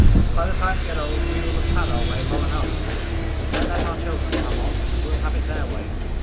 By the time we get old we will have had our way long enough. Then let our children come on and we'll have it their way.